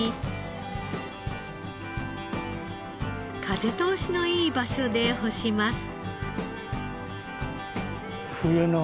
風通しのいい場所で干します。